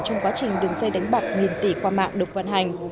trong quá trình đường dây đánh bạc nghìn tỷ qua mạng được vận hành